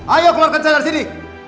ayo keluarkan saya dari sini